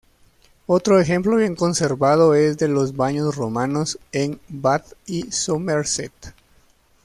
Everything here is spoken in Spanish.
Otro ejemplo bien conservado es de los baños romanos en Bath y Somerset.